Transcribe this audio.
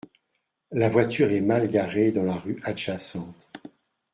La voiture est mal garée dans la rue adjacente.